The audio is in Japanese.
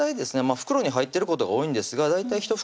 袋に入ってることが多いんですが大体１袋